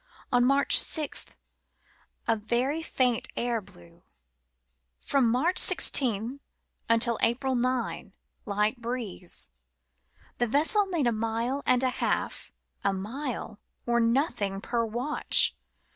On March 6 a very faint air blew. *' From March 16 till April 9, light breeze ; the vessel made a mile and a half, a mile, or nothing per watch."